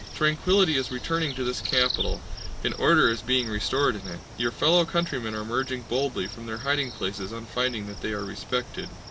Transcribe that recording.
Tranquillity is returning to this capital and order is being restored in it. Your fellow countrymen are emerging boldly from their hiding places on finding that they are respected.